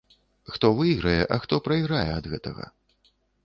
Хто выйграе, а хто прайграе ад гэтага?